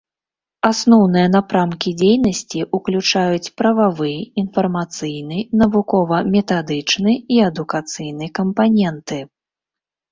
Асноўныя напрамкі дзейнасці ўключаюць прававы, інфармацыйны, навукова-метадычны і адукацыйны кампаненты.